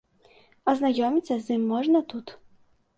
Азнаёміцца з ім можна тут.